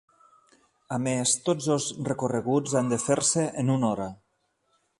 A més, tots dos recorreguts han de fer-se en una hora.